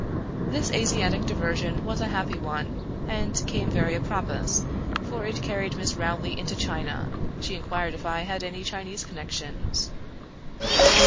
This Asiatic diversion was a happy one, and came very apropos, for it carried Miss Rowley into China; she inquired if I had any Chinese connections.